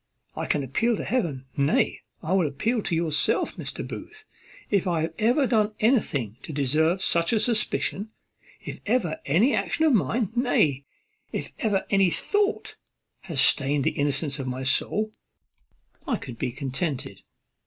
I can appeal to heaven, nay, I will appeal to yourself, Mr. Booth, if I have ever done anything to deserve such a suspicion. If ever any action of mine, nay, if ever any thought, had stained the innocence of my soul, I could be contented."